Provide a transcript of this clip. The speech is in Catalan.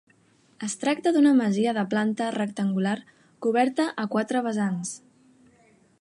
Es tracta d'una masia de planta rectangular coberta a quatre vessants.